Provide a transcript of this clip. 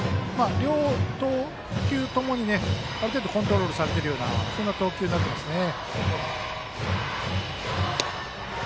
両投球ともに、ある程度コントロールされているようなそんな投球ですね。